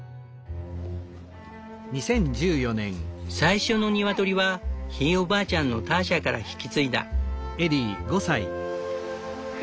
最初のニワトリはひいおばあちゃんのターシャから引き継いだ。